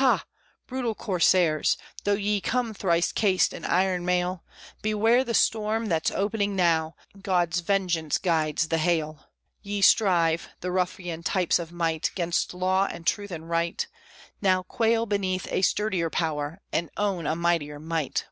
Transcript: Ha! brutal Corsairs! though ye come thrice cased in iron mail, Beware the storm that's opening now, God's vengeance guides the hail! Ye strive, the ruffian types of Might, 'gainst law and truth and Right; Now quail beneath a sturdier Power, and own a mightier Might!